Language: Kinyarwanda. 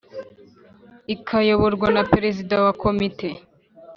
Ikayoborwa na Perezida wa Komite